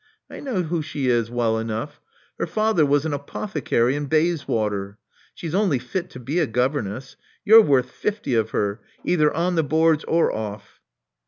I know who she is well enough: her father was an apothecary in Bayswater. She's only fit to be a governess. You're worth fifty of her, either on the boards or off."